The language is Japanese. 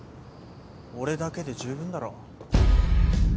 俺だけで十分だろ？